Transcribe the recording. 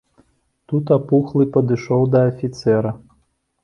Тут апухлы падышоў да афіцэра.